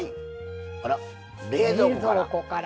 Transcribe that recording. あら冷蔵庫から。